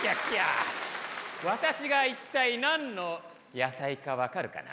私が一体何の野菜か分かるかな？